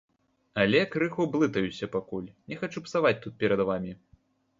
Але крыху блытаюся пакуль, не хачу псаваць тут перад вамі.